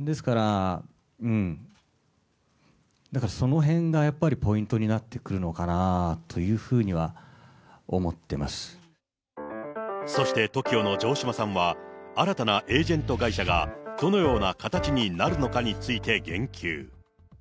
ですから、だからそのへんがやっぱりポイントになってくるのかなというふうそして、ＴＯＫＩＯの城島さんは、新たなエージェント会社がどのような形になるのかについて言及。